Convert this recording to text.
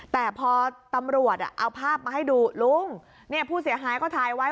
แต่พอตำรวจเอาภาพมาให้ดูลุงเนี่ยผู้เสียหายก็ถ่ายไว้